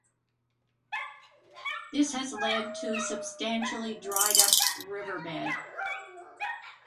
This has led to a substantially dried-up riverbed.